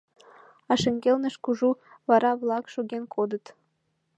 А шеҥгелнышт кужу вара-влак шоген кодыт.